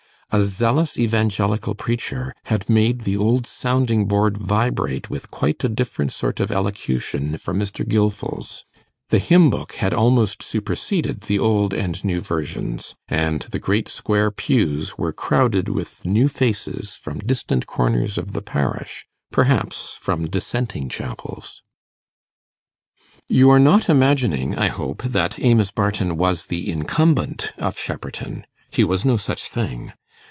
A zealous Evangelical preacher had made the old sounding board vibrate with quite a different sort of elocution from Mr. Gilfil's; the hymn book had almost superseded the Old and New Versions; and the great square pews were crowded with new faces from distant corners of the parish perhaps from Dissenting chapels. You are not imagining, I hope, that Amos Barton was the incumbent of Shepperton. He was no such thing.